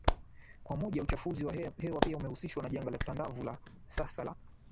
kwa mojaUchafuzi wa hewa pia umehusishwa na janga tandavu la sasa la